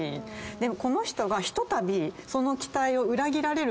でもこの人がひとたび。